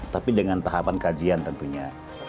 tapi dengan tahapan kajian tentunya